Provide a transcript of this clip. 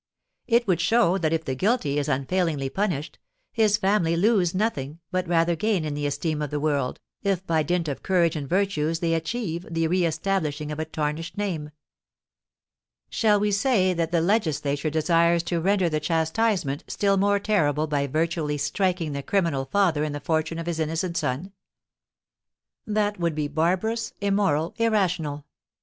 It would show that if the guilty is unfailingly punished, his family lose nothing, but rather gain in the esteem of the world, if by dint of courage and virtues they achieve the reëstablishing of a tarnished name. Shall we say that the legislature desires to render the chastisement still more terrible by virtually striking the criminal father in the fortune of his innocent son? That would be barbarous, immoral, irrational.